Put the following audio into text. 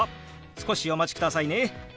少しお待ちくださいね。